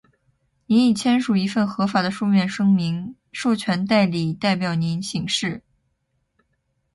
您已签署一份合法的书面声明，授权代理代表您行事。